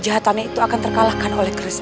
aku bisa merasakan pamur keris ini